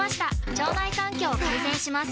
腸内環境を改善します